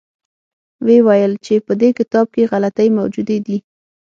ویې ویل چې په دې کتاب کې غلطۍ موجودې دي.